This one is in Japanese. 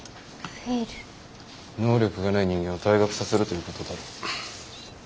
能力がない人間を退学させるということだろ。